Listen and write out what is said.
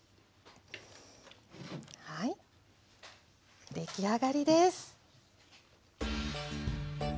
はい出来上がりです！